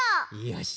よし。